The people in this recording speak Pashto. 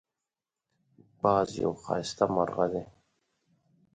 باز یو ښایسته مرغه دی